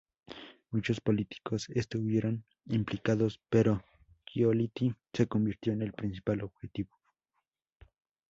Muchos políticos estuvieron implicados, pero Giolitti se convirtió en el principal objetivo.